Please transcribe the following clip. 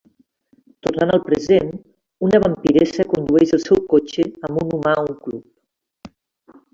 Tornant al present, una vampiressa condueix el seu cotxe amb un humà a un club.